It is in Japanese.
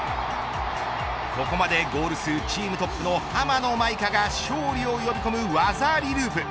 ここまでゴール数チームトップの浜野まいかが勝利を呼び込む技ありループ。